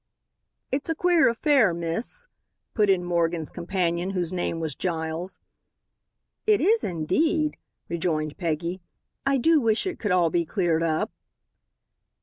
"It's a queer affair, miss," put in Morgan's companion, whose name was Giles. "It is, indeed," rejoined Peggy. "I do wish it could all be cleared up."